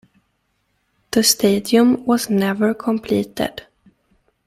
The stadium was never completed.